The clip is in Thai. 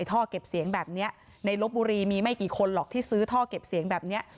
ท่อเก็บเสียงแบบนี้ในลบบุรีมีไม่กี่คนหรอกที่ซื้อท่อเก็บเสียงแบบนี้